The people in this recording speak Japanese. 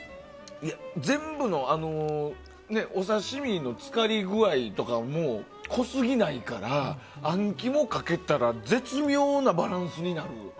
全部のお刺し身の浸かり具合とかも濃すぎないからあん肝をかけたら絶妙なバランスになる。